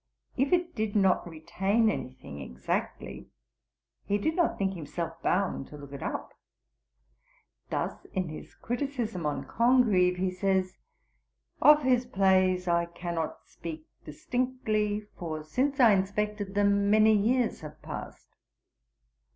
If it did not retain anything exactly, he did not think himself bound to look it up. Thus in his criticism on Congreve (Works, viii. 31) he says: 'Of his plays I cannot speak distinctly; for since I inspected them many years have passed.'